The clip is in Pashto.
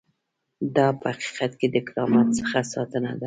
دا په حقیقت کې د کرامت څخه ساتنه ده.